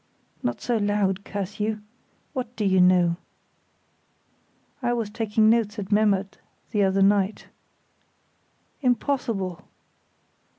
"Not so loud, curse you! What do you know?" "I was taking notes at Memmert the other night." "Impossible!"